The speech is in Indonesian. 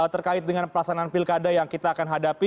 terkait dengan pelaksanaan pilkada yang kita akan hadapi